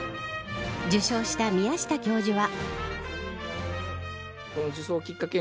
受賞した宮下教授は。